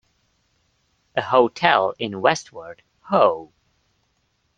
A hotel in Westward Ho!